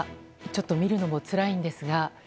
ちょっと見るのもつらいんですが。